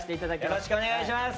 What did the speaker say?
よろしくお願いします。